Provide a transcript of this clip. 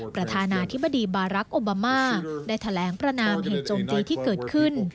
ประธานาธิบดีบารักษ์โอบามาได้แถลงประนามเหตุโจมตีที่เกิดขึ้น